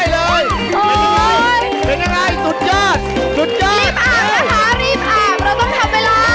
รีบออกนะคะรีบออกเราต้องทำเวลา